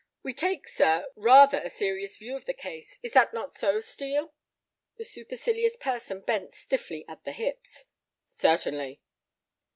We take, sir, rather a serious view of the case. Is not that so, Steel?" The supercilious person bent stiffly at the hips. "Certainly."